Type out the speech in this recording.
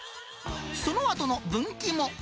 そのあとの分岐も。